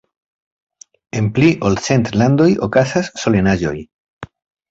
En pli ol cent landoj okazas solenaĵoj.